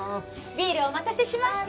ビールお待たせしました。